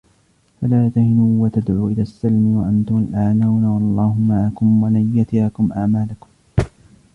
فلا تهنوا وتدعوا إلى السلم وأنتم الأعلون والله معكم ولن يتركم أعمالكم